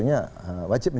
dan yang terakhir yang kelima